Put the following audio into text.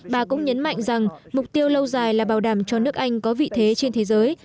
bà cũng nhấn mạnh rằng mục tiêu lâu dài là bảo đảm cho nước anh có vị thế trên thế giới